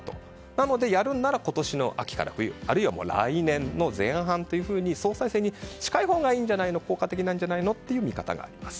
なのでやるのなら今年の秋から冬あるいは来年の前半というふうに総裁選に近いほうがいいんじゃないの効果的なんじゃないのという見方があります。